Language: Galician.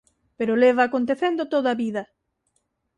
Pero leva acontecendo toda a vida.